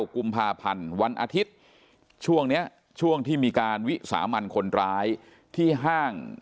กุมภาพันธ์วันอาทิตย์ช่วงนี้ช่วงที่มีการวิสามันคนร้ายที่ห้าง